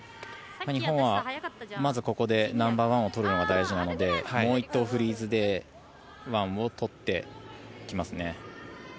日本はまずここでナンバーワンを取るのが大事なのでもう１投フリーズでワンを取ってきますね。